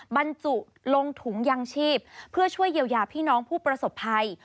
บรรจุลงถุงยังชีพเพื่อช่วยเยียวยาพี่น้องผู้ประสบภัย